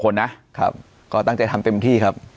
ครับเราก็ตั้งใจทำเต็มที่ครับ